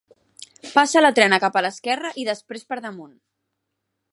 Passa la trena cap a l'esquerra i després per damunt.